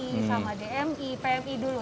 sama dmi pmi dulu